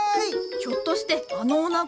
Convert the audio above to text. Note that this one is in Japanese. ひょっとしてあのおなご。